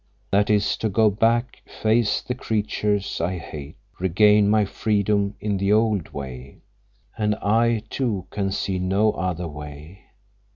That is to go back, face the creatures I hate, regain my freedom in the old way. And I, too, can see no other way.